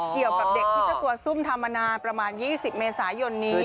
เกี่ยวกับเด็กพิจัตริย์ตัวซุ่มธรรมนาประมาณ๒๐เมษายนนี้